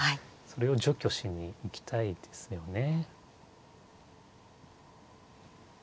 それを除去しに行きたいですよね。